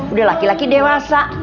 udah laki laki dewasa